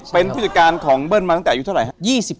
เป็นผู้จัดการของเบิ้ลมาตั้งแต่อายุเท่าไหร่ครับ